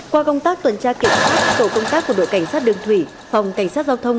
qua công tác tuần tra kiểm soát tổ công tác của đội cảnh sát đường thủy phòng cảnh sát giao thông